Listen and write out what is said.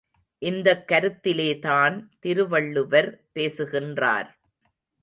இந்தக் கருத்திலேதான் திருவள்ளுவர் பேசுகின்றார்.